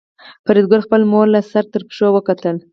فریدګل خپله مور له سر تر پښو وکتله